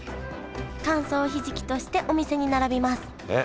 乾燥ひじきとしてお店に並びますえっ？